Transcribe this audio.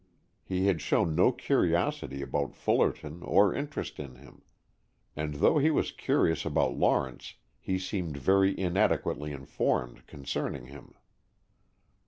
He had shown no curiosity about Fullerton or interest in him. And though he was curious about Lawrence, he seemed very inadequately informed concerning him.